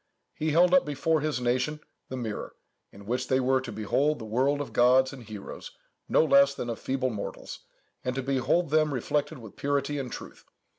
He held up before his nation the mirror, in which they were to behold the world of gods and heroes no less than of feeble mortals, and to behold them reflected with purity and truth.